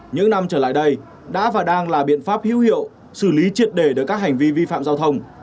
những năm trở lại đây đã và đang là biện pháp hữu hiệu xử lý triệt đề được các hành vi vi phạm giao thông